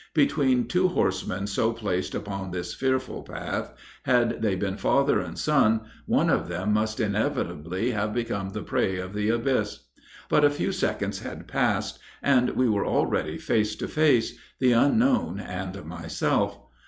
Between two horsemen so placed upon this fearful path, had they been father and son, one of them must inevitably have become the prey of the abyss. But a few seconds had passed, and we were already face to face the unknown and myself.